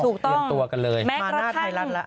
ถูกต้องเตรียมตัวกันเลยมาหน้าไทยล่ะ